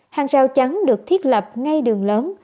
hàng rau trắng được thiết lập ngay đường lớn